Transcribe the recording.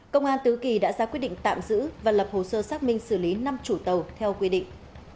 công an tứ kỳ đã ra quyết định tạm giữ và lập hồ sơ xác minh xử lý năm chủ tàu theo quy định